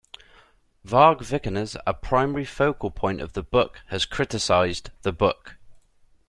Varg Vikernes, a primary focal point of the book, has criticized the book.